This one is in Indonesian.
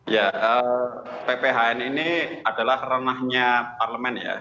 ya pphn ini adalah ranahnya parlemen ya